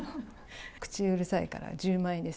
口うるさいから１０万円です。